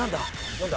何だ？